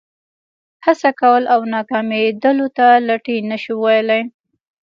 هڅه کول او ناکامېدلو ته لټي نه شو ویلای.